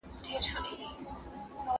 زه بايد ليکلي پاڼي ترتيب کړم!!